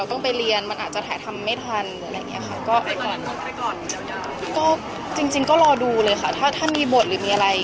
แม้กลัวไหมว่าข่าวจะมีคนทำงานของเธอได้หรือเปล่า